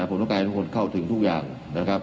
ผมต้องการให้ทุกคนเข้าถึงทุกอย่างนะครับ